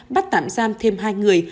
bắt tạm giam thêm hai người